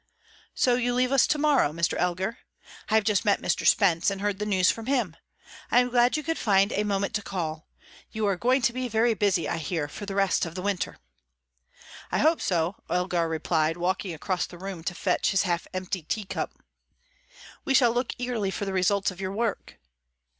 "So you leave us to morrow, Mr. Elgar? I have just met Mr. Spence, and heard the news from him. I am glad you could find a moment to call. You are going to be very busy, I hear, for the rest of the winter." "I hope so," Elgar replied, walking across the room to fetch his half emptied teacup. "We shall look eagerly for the results of your work."